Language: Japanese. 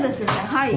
はい。